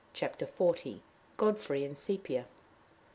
CHAPTER XL. GODFREY AND SEPIA.